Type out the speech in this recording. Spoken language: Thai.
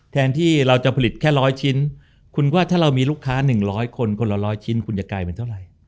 แทนที่เราจะผลิตแค่๑๐๐ชิ้นคุณว่าถ้าเรามีลูกค้า๑๐๐คนคนละ๑๐๐ชิ้นคุณจะกลายเป็นเท่าไหร่